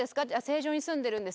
「成城に住んでるんです」